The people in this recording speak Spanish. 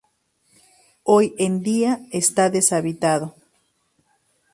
Hoy en día está deshabitado.